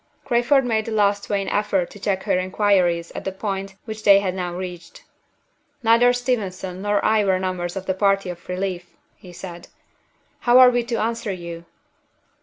Crayford made a last vain effort to check her inquiries at the point which they had now reached. "Neither Steventon nor I were members of the party of relief," he said. "How are we to answer you?"